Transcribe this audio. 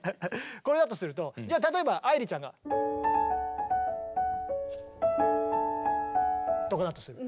これだとするとじゃあ例えば愛理ちゃんが。とかだとする。